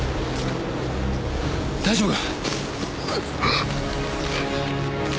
大丈夫か？